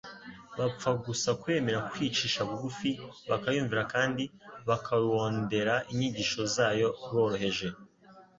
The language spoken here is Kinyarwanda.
bapfa gusa kwemera kwicisha bugufi bakayumvira kandi bakuondera inyigisho zayo boroheje.